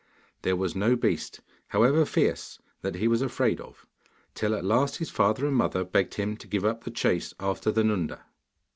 There was no beast, however fierce, that he was afraid of, till at last his father and mother begged him to give up the chase after the Nunda.